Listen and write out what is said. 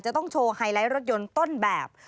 จะต้องโชว์ไฮไลท์รถยนต์ต้นแบบ